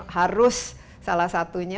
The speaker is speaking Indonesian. harus salah satunya